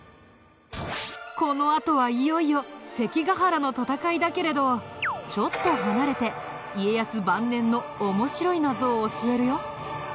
このあとはいよいよ関ヶ原の戦いだけれどちょっと離れて家康晩年の面白い謎を教えるよ。